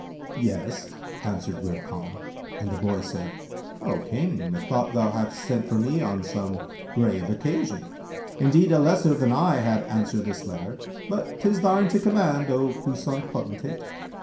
"Yes," answered Wird Khan, and the boy said, "O King, methought thou hadst sent for me on some grave occasion; indeed, a lesser than I had answered this letter but 'tis thine to command, O puissant potentate."